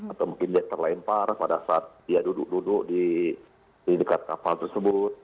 atau mungkin dia terlempar pada saat dia duduk duduk di dekat kapal tersebut